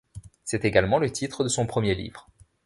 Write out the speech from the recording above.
C’est également le titre de son premier livre.